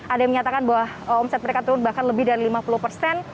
ada yang menyatakan bahwa omset mereka turun bahkan lebih dari lima puluh persen